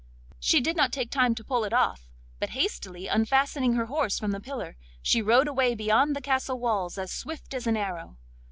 She did not take time to pull it off, but, hastily unfastening her horse from the pillar, she rode away beyond the castle walls as swift as an arrow.